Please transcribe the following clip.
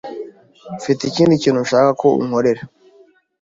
Mfite ikindi kintu nshaka ko unkorera.